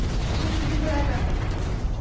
সেই সুখী ঘোড়াটা!